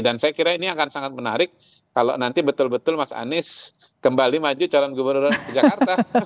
dan saya kira ini akan sangat menarik kalau nanti betul betul mas anies kembali maju calon gubernur jakarta